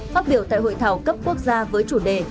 phát biểu tại hội thảo cấp quốc gia với chủ đề